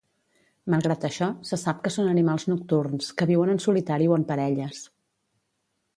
Malgrat això, se sap que són animals nocturns, que viuen en solitari o en parelles.